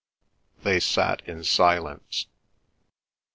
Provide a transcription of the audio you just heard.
They sat in silence.